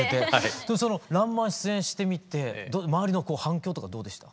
その「らんまん」に出演してみて周りの反響とかどうでした？